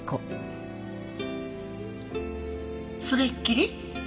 それっきり？